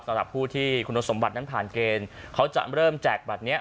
สำหรับผู้ที่คุณสมบัตินั้นผ่านเกณฑ์เขาจะเริ่มแจกบัตรนี้